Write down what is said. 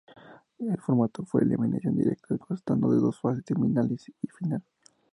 El formato fue de eliminación directa, constando de dos fases: semifinales y final.